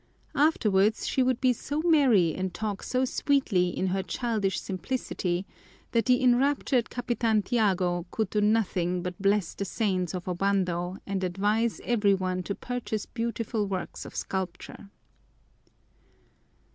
Afterwards, she would be so merry and talk so sweetly in her childish simplicity that the enraptured Capitan Tiago could do nothing but bless the saints of Obando and advise every one to purchase beautiful works of sculpture.